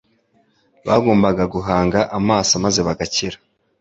Bagombaga guhanga amaso maze bagakira.